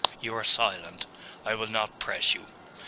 You are silent. I will not press you....